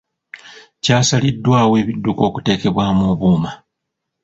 Kyasaliddwawo ebidduka okuteekebwamu obuuma.